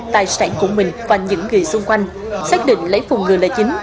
tài sản của mình và những người xung quanh xác định lấy phùng người là chính